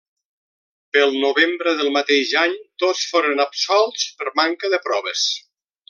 Pel novembre del mateix any tots foren absolts per manca de proves.